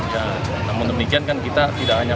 ya namun demikian kan kita tidak hanya